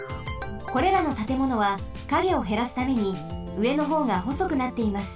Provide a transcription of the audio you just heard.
これらのたてものはカゲをへらすためにうえのほうがほそくなっています。